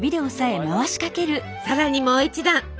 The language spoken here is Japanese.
さらにもう一段！